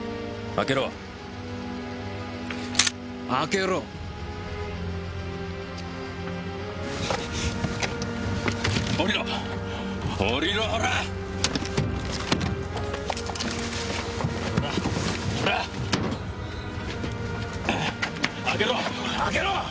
開けろ！